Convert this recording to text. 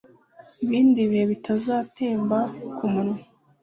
ibindi bihe bizatemba kumunwa